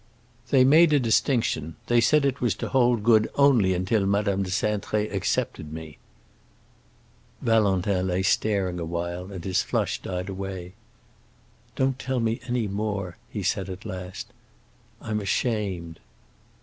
"They made a distinction. They said it was to hold good only until Madame de Cintré accepted me." Valentin lay staring a while, and his flush died away. "Don't tell me any more," he said at last. "I'm ashamed."